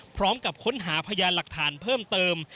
พร้อมกับค้นหาพยานหลักฐานเพิ่มเติม